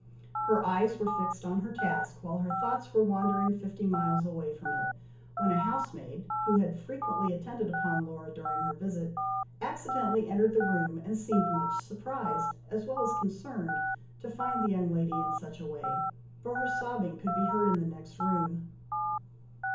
Her eyes were fixed on her task, while her thoughts were wandering fifty miles away from it, when a housemaid, who had frequently attended upon Laura during her visit, accidentally entered the room, and seemed much surprised, as well as concerned, to find the young lady in such a way, for her sobbing could be heard in the next room.